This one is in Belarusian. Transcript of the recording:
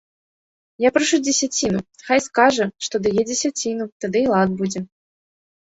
Я прашу дзесяціну, хай скажа, што дае дзесяціну, тады і лад будзе.